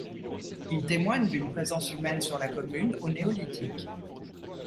Ils témoignent d’une présence humaine sur la commune au Néolithique.